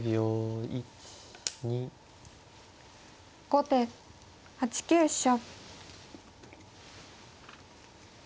後手８九飛車。